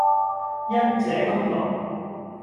因這功勞，